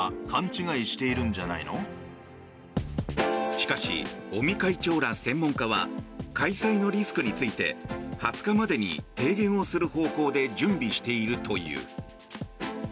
しかし、尾身会長ら専門家は開催のリスクについて２０日までに提言をする方向で準備しているという。